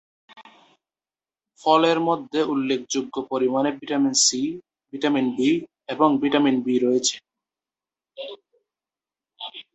ফলের মধ্যে উল্লেখযোগ্য পরিমাণে ভিটামিন সি, ভিটামিন বি এবং ভিটামিন বি রয়েছে।